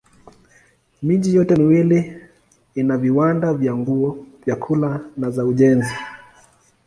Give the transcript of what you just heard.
Miji yote miwili ina viwanda vya nguo, vyakula na za ujenzi.